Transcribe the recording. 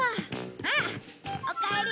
あっおかえり。